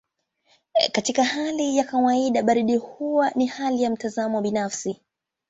Katika hali ya kawaida baridi huwa ni hali ya mtazamo binafsi.